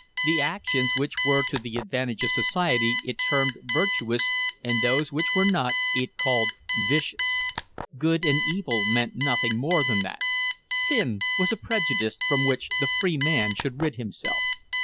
The actions which were to the advantage of society it termed virtuous and those which were not it called vicious. Good and evil meant nothing more than that. Sin was a prejudice from which the free man should rid himself.